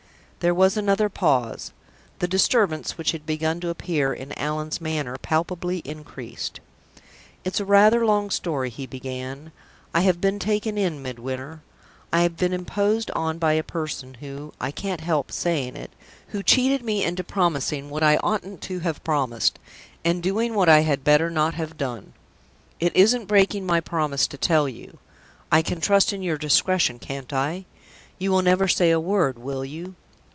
There was another pause. The disturbance which had begun to appear in Allan's manner palpably increased. "It's rather a long story," he began. "I have been taken in, Midwinter. I've been imposed on by a person, who I can't help saying it who cheated me into promising what I oughtn't to have promised, and doing what I had better not have done. It isn't breaking my promise to tell you. I can trust in your discretion, can't I? You will never say a word, will you?"